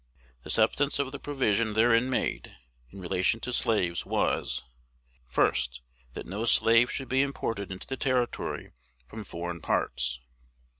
The substance of the provision therein made, in relation to slaves, was, First, That no slave should be imported into the Territory from foreign parts.